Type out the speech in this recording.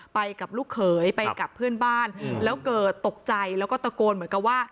ไปกับลูกเขยไปกับเพื่อนบ้านแล้วเกิดตกใจแล้วก็ตะโกนเหมือนกับว่า